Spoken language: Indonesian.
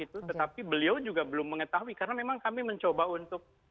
tetapi beliau juga belum mengetahui karena memang kami mencoba untuk